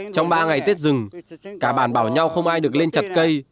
trong ba ngày tết dừng cả bản bảo nhau không ai được lên chặt cây